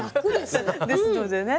ですのでね